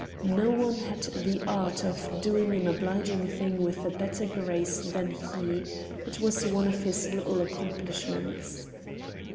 No one had the art of doing an obliging thing with a better grace than he; it was one of his little accomplishments.